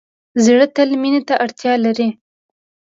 زړه تل مینې ته اړتیا لري.